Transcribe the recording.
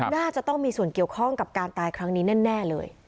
น่าจะต้องมีส่วนเกี่ยวข้องกับการตายครั้งนี้แน่เลย